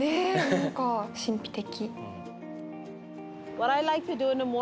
何か神秘的。